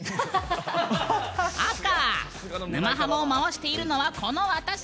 赤、「沼ハマ」を回してるのはこの私！